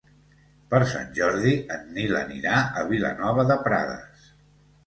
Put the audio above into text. Per Sant Jordi en Nil anirà a Vilanova de Prades.